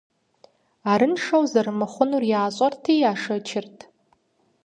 Арыншэу зэрымыхъунур ящӏэрти яшэчырт.